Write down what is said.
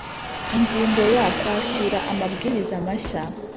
Ingingo ya Kwakira amabwiriza mashya